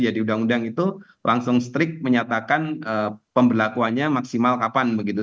jadi uu itu langsung strik menyatakan pemberlakuannya maksimal kapan begitu